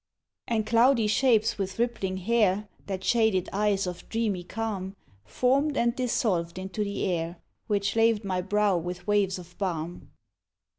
And cloudy shapes with rippling hair That shaded eyes of dreamy calm, Formed and dissolved into the air Which laved my brow with waves of balm.